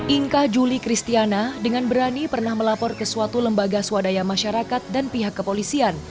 inka juli kristiana dengan berani pernah melapor ke suatu lembaga swadaya masyarakat dan pihak kepolisian